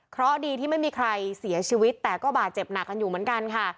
เพราะดีที่ไม่มีใครเสียชีวิตแต่ก็บาดเจ็บหนักกันอยู่เหมือนกันค่ะ